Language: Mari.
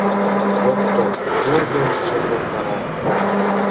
Ото кӧргым шергылтара